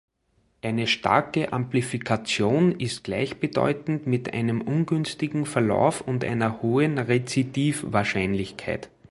Eine starke Amplifikation ist gleichbedeutend mit einem ungünstigen Verlauf und einer hohen Rezidiv-Wahrscheinlichkeit.